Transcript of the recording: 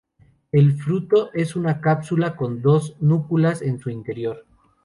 El fruto es una cápsula con dos núculas en su interior.